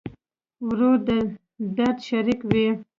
ورور د درد شریک وي.